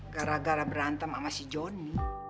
gara gara berantem sama si joni